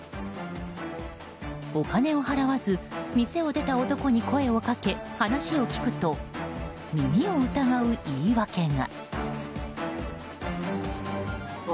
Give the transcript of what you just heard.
お金を払わず店を出た男に声をかけ、話を聞くと耳を疑う言い訳が。